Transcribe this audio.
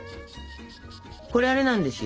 これあれなんですよ。